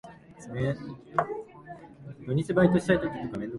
きっとよほど偉い人たちが、度々来るんだ